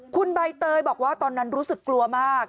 คุณใบเตยบอกว่าตอนนั้นรู้สึกกลัวมาก